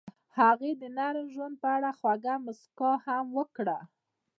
هغې د نرم ژوند په اړه خوږه موسکا هم وکړه.